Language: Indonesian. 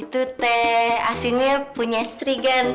itu teh asinnya punya sri gan